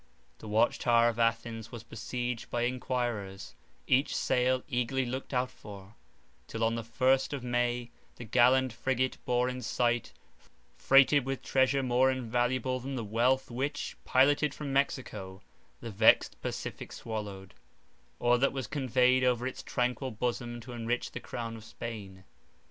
The watchtower of Athens was besieged by inquirers, each sail eagerly looked out for; till on the first of May the gallant frigate bore in sight, freighted with treasure more invaluable than the wealth which, piloted from Mexico, the vexed Pacific swallowed, or that was conveyed over its tranquil bosom to enrich the crown of Spain.